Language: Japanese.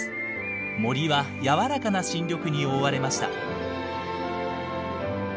森は柔らかな新緑に覆われました。